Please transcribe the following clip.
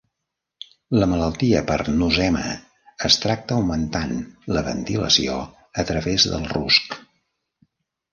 La malaltia per Nosema es tracta augmentant la ventilació a través del rusc.